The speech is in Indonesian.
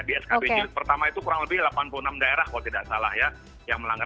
di skb pertama itu kurang lebih delapan puluh enam daerah kalau tidak salah ya yang melanggar